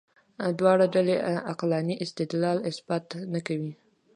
دواړه ډلې عقلاني استدلال اثبات نه کوي.